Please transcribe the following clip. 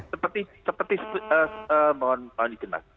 seperti seperti mohon dikenal